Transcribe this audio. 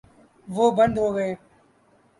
وہ بند ہو گئے۔